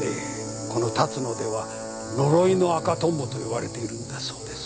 この龍野では呪いの赤トンボと呼ばれているんだそうです。